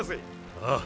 ああ。